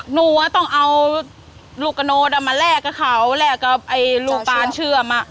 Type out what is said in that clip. หนูต้องเอาลูกกระโน้ตมาแลกกับเขาแลกกับไอ้ลูกตานเชื่อม